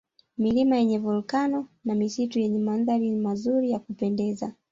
Milima yenye Volkano na misitu yenye mandhari mazuri ya kupendeza